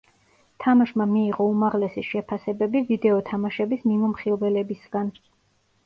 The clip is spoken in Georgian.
თამაშმა მიიღო უმაღლესი შეფასებები ვიდეო თამაშების მიმოხილველებისგან.